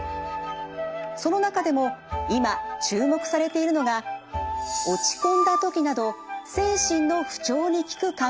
その中でも今注目されているのが落ち込んだ時など精神の不調に効く漢方薬です。